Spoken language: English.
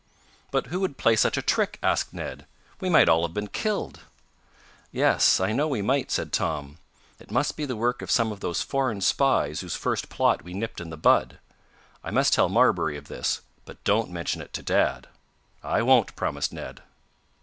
"But who would play such a trick?" asked Ned. "We might all have been killed." "Yes, I know we might," said Tom. "It must be the work of some of those foreign spies whose first plot we nipped in the bud. I must tell Marbury of this, but don't mention it to dad." "I won't," promised Ned.